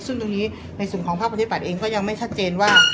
ซึ่งตรงนี้ในส่วนของภาคประชาธิบัตย์เองก็ยังไม่ชัดเจนว่า